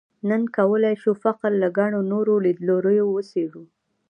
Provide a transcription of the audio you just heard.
نن کولای شو فقر له ګڼو نورو لیدلوریو وڅېړو.